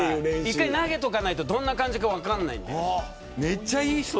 一回投げとかないとどんな感じか分かんないんで。